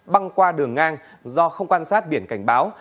băng qua đường ngang do không quan sát biển cảnh báo